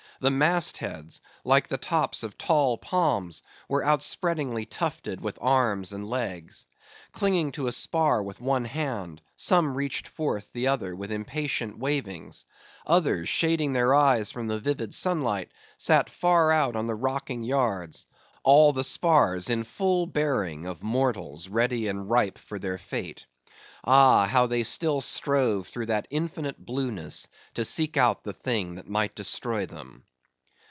The mast heads, like the tops of tall palms, were outspreadingly tufted with arms and legs. Clinging to a spar with one hand, some reached forth the other with impatient wavings; others, shading their eyes from the vivid sunlight, sat far out on the rocking yards; all the spars in full bearing of mortals, ready and ripe for their fate. Ah! how they still strove through that infinite blueness to seek out the thing that might destroy them!